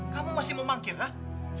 kamu masih mau mangkir ah